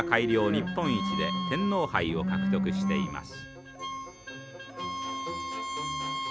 日本一で天皇杯を獲得しています。